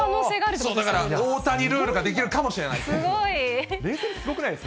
そう、だから、大谷ルールが出来るかもしれないです。